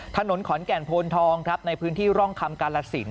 ถนนขอนแก่นโพนทองครับในพื้นที่ร่องคำกาลสิน